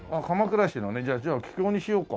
じゃあ桔梗にしようか。